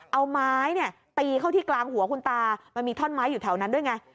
เอาไม้เนี่ยตีเข้าที่กลางหัวคุณตามันมีท่อนไม้อยู่แถวนั้นด้วยไง